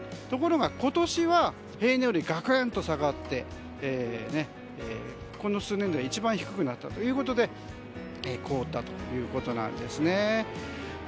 ところが、今年は平年より、がくんと下がってこの数年で一番低くなったということで凍ったということなんですね。